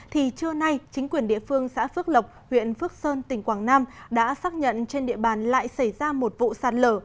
thì trưa nay chính quyền địa phương xã phước lộc huyện phước sơn tỉnh quảng nam đã xác nhận trên địa bàn lại xảy ra một vụ sạt lở